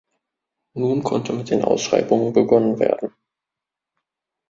Nun konnte mit den Ausschreibungen begonnen werden.